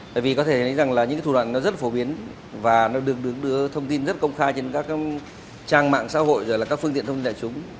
bởi vì có thể thấy rằng những thủ đoạn rất phổ biến và được đưa thông tin rất công khai trên các trang mạng xã hội các phương tiện thông tin đại chúng